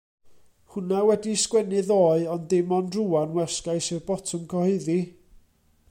Hwnna wedi'i sgwennu ddoe ond dim ond rŵan wasgais i'r botwm cyhoeddi.